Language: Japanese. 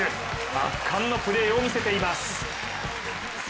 圧巻のプレーを見せています。